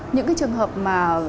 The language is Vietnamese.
những cái trường hợp mà